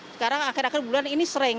sekarang akhir akhir bulan ini sering